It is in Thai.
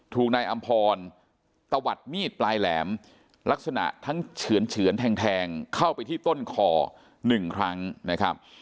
ถูกนายอำพรตะวัดมีดปลายแหลมลักษณะทั้งเฉือนแทงเข้าไปที่ต้นคอ๑ครั้งนะครับ